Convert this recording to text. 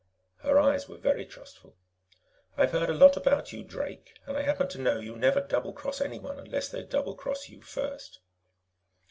Her eyes were very trustful. "I've heard a lot about you, Drake, and I happen to know you never doublecross anyone unless they doublecross you first."